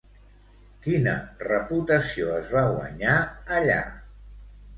Quina reputació es va guanyar, allà?